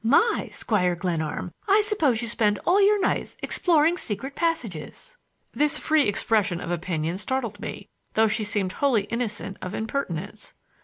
My! Squire Glenarm, I suppose you spend all your nights exploring secret passages." This free expression of opinion startled me, though she seemed wholly innocent of impertinence.